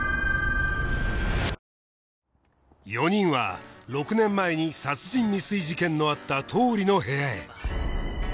４人は６年前に殺人未遂事件のあった倒理の部屋へ